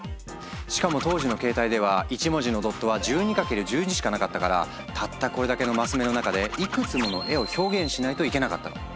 しかも当時のケータイでは１文字のドットは１２×１２しかなかったからたったこれだけの升目の中でいくつもの絵を表現しないといけなかったの。